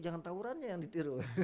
jangan tawurannya yang ditiru